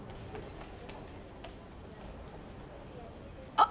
あっ！